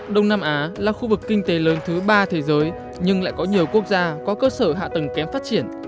đông nam á là khu vực kinh tế lớn thứ ba thế giới nhưng lại có nhiều quốc gia có cơ sở hạ tầng kém phát triển